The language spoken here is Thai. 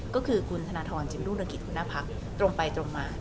ก็คือคุณธนทรจะเป็นลูกเงินกิจคุณหน้าพักตรงไปตรงมา